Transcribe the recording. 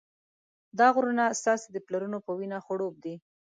دا غرونه ستاسې د پلرونو په وینه خړوب دي.